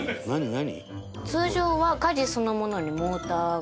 何？」